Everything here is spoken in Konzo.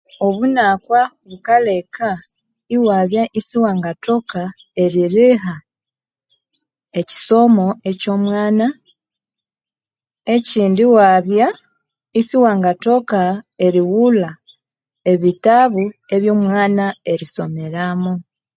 Obunakwa bukaleka iwabya isawakathoka eririha ekisomo ekyomwana ekindi iwabya isiwangathoka erighulha ebitabo ebyomwana erisomeramoo